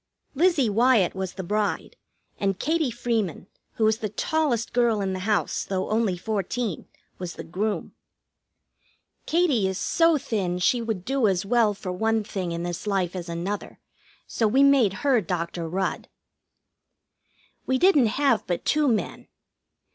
Lizzie Wyatt was the bride, and Katie Freeman, who is the tallest girl in the house, though only fourteen, was the groom. Katie is so thin she would do as well for one thing in this life as another, so we made her Dr. Rudd. We didn't have but two men.